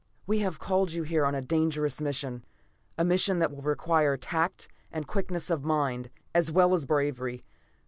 "We have called you here on a dangerous mission. A mission that will require tact and quickness of mind as well as bravery.